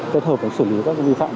kết hợp với xử lý các vi phạm